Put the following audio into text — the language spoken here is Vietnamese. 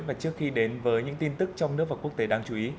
và trước khi đến với những tin tức trong nước và quốc tế đáng chú ý